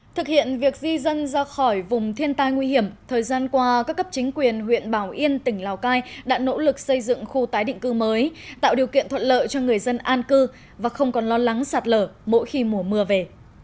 thực hiện việc di dân ra khỏi vùng thiên tai nguy hiểm thời gian qua các cấp chính quyền huyện bảo yên tỉnh lào cai đã nỗ lực xây dựng khu tái định cư mới tạo điều kiện thuận lợi cho người dân an cư và không còn lo lắng sạt lở mỗi khi mùa mưa về